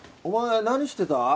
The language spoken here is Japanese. お前何してた？